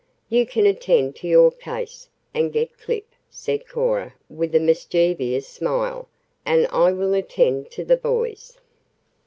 "You can attend to your case, and get Clip," said Cora with a mischievous smile, "and I will attend to the boys."